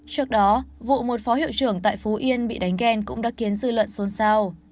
trước đó vụ một phó hiệu trưởng tại phú yên bị đánh ghen cũng đã khiến dư luận xôn xao